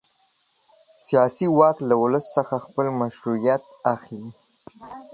سیاسي واک له ولس څخه خپل مشروعیت اخلي.